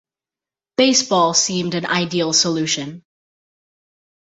Baseball seemed an ideal solution.